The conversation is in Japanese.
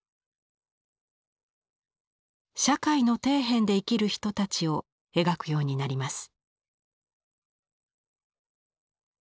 社会の底辺で生きる人たちを描くようになります。